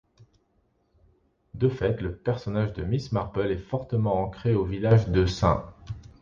De fait, le personnage de Miss Marple est fortement ancré au village de St.